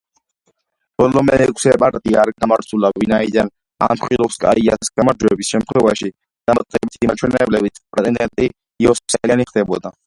ბოლო მეექვსე პარტია არ გამართულა, ვინაიდან ახმილოვსკაიას გამარჯვების შემთხვევაში დამატებითი მაჩვენებლებით პრეტენდენტი იოსელიანი ხდებოდა.